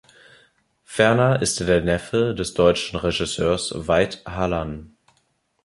Ferner ist er der Neffe des deutschen Regisseurs Veit Harlan.